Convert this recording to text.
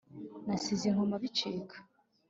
nasize i nkoma bicika,